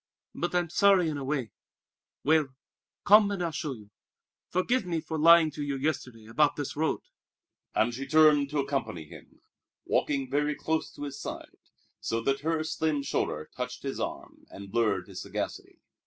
"But I'm sorry in a way! Well, come and I'll show you. Forgive me for lying to you yesterday about this road!" And she turned to accompany him, walking very close to his side, so that her slim shoulder touched his arm and blurred his sagacity.